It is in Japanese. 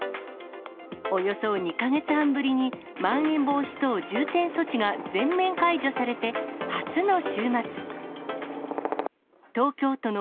およそ２か月半ぶりに、まん延防止等重点措置が全面解除されて、初の週末。